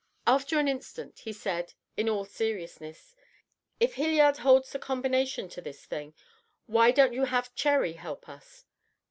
After an instant he said, in all seriousness: "If Hilliard holds the combination to this thing, why don't you have Cherry help us?"